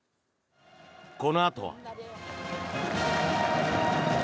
このあとは。